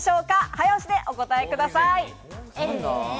早押しでお答えください。